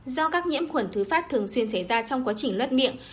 do các nhiễm khuẩn thứ phát thường xuyên xảy ra trong quá trình lot miệng